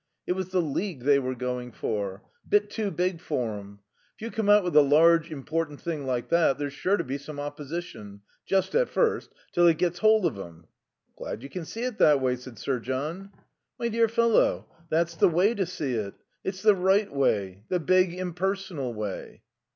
It was the League they were going for. Bit too big for 'em. If you come out with a large, important thing like that there's sure to be some opposition just at first till it gets hold of 'em." "Glad you can see it that way," said Sir John. "My dear fellow, that's the way to see it. It's the right way; the big impersonal way."